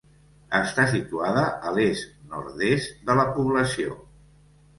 Està situada a l'est-nord-est de la població.